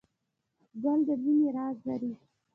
ګل د مینې راز لري.